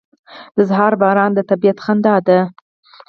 • د سهار باران د طبیعت خندا ده.